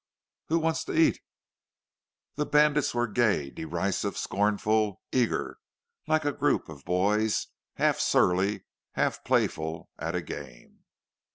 "Who wants to eat?" The bandits were gay, derisive, scornful, eager, like a group of boys, half surly, half playful, at a game.